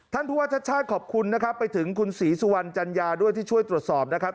ท่านผู้ว่าชาติชาติขอบคุณนะครับไปถึงคุณศรีสุวรรณจัญญาด้วยที่ช่วยตรวจสอบนะครับ